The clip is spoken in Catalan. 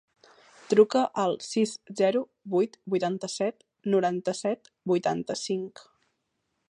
Truca al sis, zero, vuit, vuitanta-set, noranta-set, vuitanta-cinc.